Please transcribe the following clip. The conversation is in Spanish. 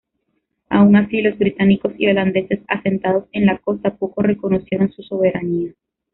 Aun así, los británicos y holandeses asentados en la costa poco reconocieron su soberanía.